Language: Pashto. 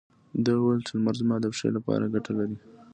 ده وويل چې لمر زما د پښې لپاره ګټه لري.